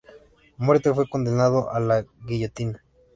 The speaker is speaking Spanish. Muerte fue condenado a la guillotina.